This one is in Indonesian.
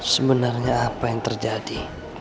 sebenarnya apa yang terjadi